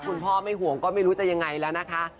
คุณพ่อไม่ห่วงก็ไม่รู้จะยังไงแล้วนะคะ